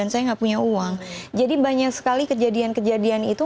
sekali kejadian kejadian itu